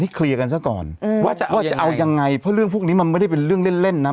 เคลียร์กันซะก่อนว่าจะเอายังไงเพราะเรื่องพวกนี้มันไม่ได้เป็นเรื่องเล่นเล่นนะ